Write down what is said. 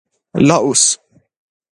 لائوس